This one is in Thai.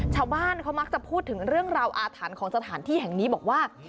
ชาวบ้านเขามักจะพูดถึงเรื่องราวอาถรรพ์ของสถานที่แห่งนี้บอกว่า